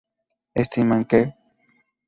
Estiman que...